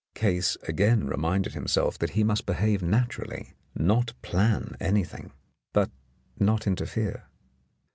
Case again reminded himself that he must behave naturally — not plan anything, but not interfere.